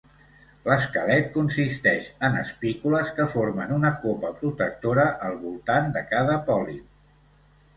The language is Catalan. L'esquelet consisteix en espícules que formen una copa protectora al voltant de cada pòlip.